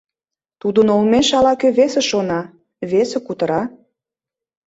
Тудын олмеш ала-кӧ весе шона, весе кутыра.